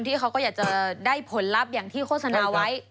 เขาก็อยากจะได้ผลลัพธ์อย่างที่โฆษณาไว้